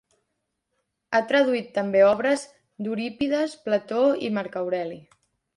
Ha traduït també obres d'Eurípides, Plató i Marc Aureli.